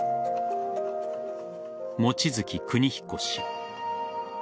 望月邦彦氏。